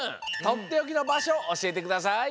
とっておきのばしょおしえてください。